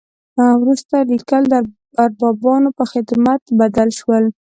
وروسته لیکل د اربابانو په خدمت بدل شول.